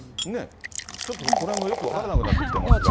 ちょっとこのへんもよく分からなくなってきていますが。